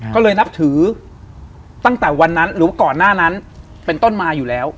ก็เลยนับถือตั้งแต่วันนั้นหรือว่าก่อนหน้านั้นเป็นต้นมาอยู่แล้ว